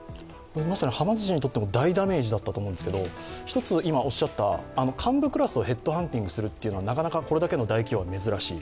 まさに、はま寿司にとっても大ダメージだったと思うんですけど、幹部クラスをヘッドハンティングするというのはなかなかこれだけの大企業は珍しい。